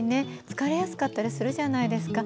疲れやすかったりするじゃないですか。